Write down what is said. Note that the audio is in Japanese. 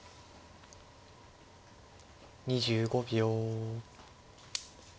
２５秒。